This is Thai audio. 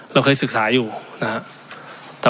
เราเคยศึกษาอยู่นะครับ